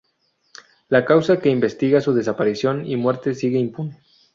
La causa que investiga su desaparición y muerte sigue impune.